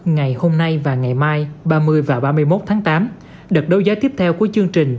ngày hôm nay và ngày mai ba mươi và ba mươi một tháng tám đợt đấu giá tiếp theo của chương trình